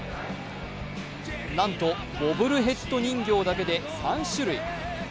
なんとボブルヘッド人形だけで３種類。